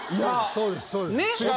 そうですそうです。